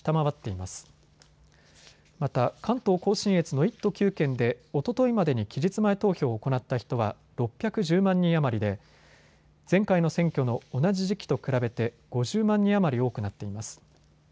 また関東甲信越の１都９県でおとといまでに期日前投票を行った人は６１０万人余りで前回の選挙の同じ時期と比べて５０万人余り多くなっています。